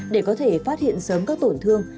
để có thể phát hiện sớm các tổn thương